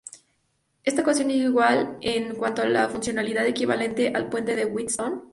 Esta ecuación es igual en cuanto a la funcionalidad equivalente al puente de Wheatstone.